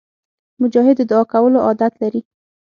مجاهد د دعا کولو عادت لري.